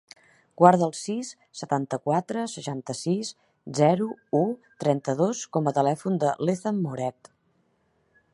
Guarda el sis, setanta-quatre, seixanta-sis, zero, u, trenta-dos com a telèfon de l'Ethan Moret.